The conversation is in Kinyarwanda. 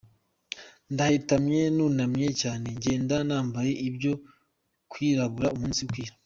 Ndahetamye nunamye cyane, Ngenda nambaye ibyo kwirabura umunsi ukira.